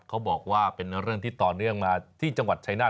เขาบอกว่าเป็นเรื่องที่ต่อเนื่องมาที่จังหวัดชายนาฏ